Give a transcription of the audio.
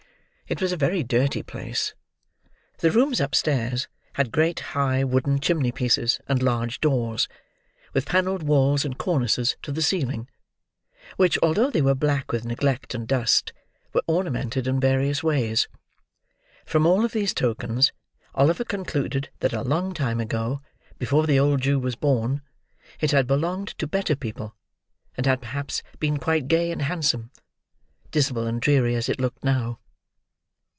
It was a very dirty place. The rooms upstairs had great high wooden chimney pieces and large doors, with panelled walls and cornices to the ceiling; which, although they were black with neglect and dust, were ornamented in various ways. From all of these tokens Oliver concluded that a long time ago, before the old Jew was born, it had belonged to better people, and had perhaps been quite gay and handsome: dismal and dreary as it looked now.